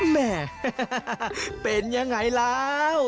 แม่เป็นยังไงแล้ว